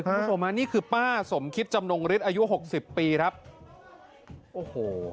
คุณผู้ชมฮะนี่คือป้าสมคิดจำนงฤทธิอายุหกสิบปีครับโอ้โห